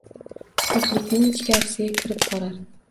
— quruqlikning ichkarisiga kirib borar